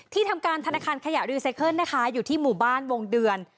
ทำการธนาคารขยะรีไซเคิลนะคะอยู่ที่หมู่บ้านวงเดือน